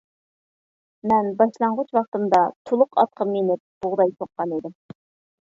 مەن باشلانغۇچ ۋاقتىمدا تۇلۇق ئاتقا مىنىپ بۇغداي سوققان ئىدىم.